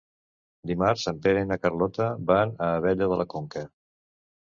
Dimarts en Pere i na Carlota van a Abella de la Conca.